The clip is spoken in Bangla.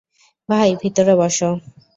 ভাই, ভিতরে বসো।